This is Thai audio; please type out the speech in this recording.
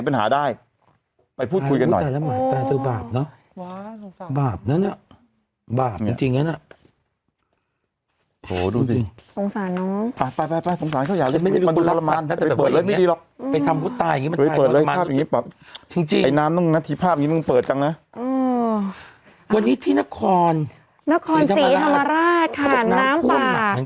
เปิดจังนะอืมวันนี้ที่นครนครศรีธรรมราชค่ะน้ำป่าเหมือนกันเนอะ